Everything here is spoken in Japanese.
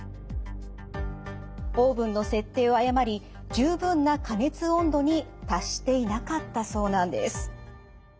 オーブンの設定を誤り十分な加熱温度に達していなかったそうなんです。